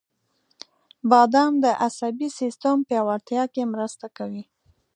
• بادام د عصبي سیستم پیاوړتیا کې مرسته کوي.